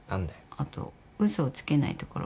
あと嘘をつけないところ。